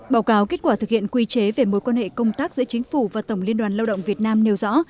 báo cáo kết quả thực hiện quy chế về mối quan hệ công tác giữa chính phủ và tổng liên đoàn lao động việt nam nêu rõ